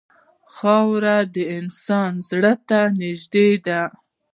خاوره د انسان زړه ته نږدې ده.